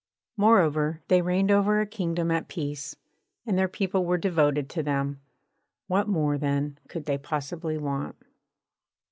Moreover, they reigned over a kingdom at peace, and their people were devoted to them. What more, then, could they possibly want?